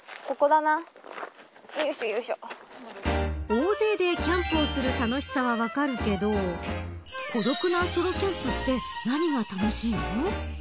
大勢でキャンプをする楽しさは分かるけど孤独なソロキャンプで何が楽しいの。